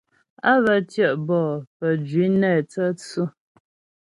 Á bə́ tyɛ' bɔ'ó pə́jwǐ nɛ tsə̌tsʉ.